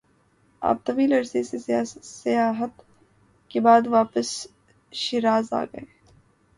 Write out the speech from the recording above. آپ طویل عرصہ سے سیاحت کے بعدواپس شیراز آگئے-